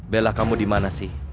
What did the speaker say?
bella kamu dimana sih